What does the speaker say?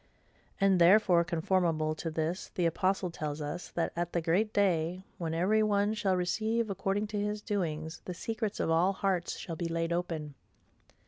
And therefore, conformable to this, the apostle tells us, that, at the great day, when every one shall 'receive according to his doings, the secrets of all hearts shall be laid open.